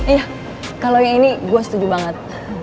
iya kalau yang ini gue setuju banget